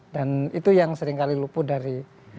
dan itu yang seringkali luput dari